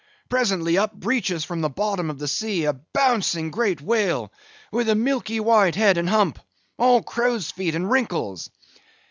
Presently up breaches from the bottom of the sea a bouncing great whale, with a milky white head and hump, all crows' feet and wrinkles."